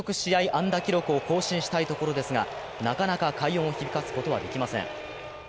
安打記録を更新したいところですが、なかなか快音を響かすことはできません。